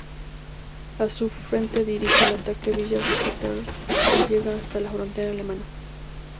A su frente dirige el ataque a Villers-Cotterêts y llega hasta la frontera alemana.